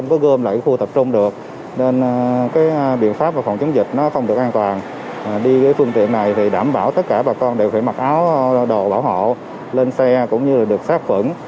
các tỉnh thành đều phải mặc áo đồ bảo hộ lên xe cũng như được sát quận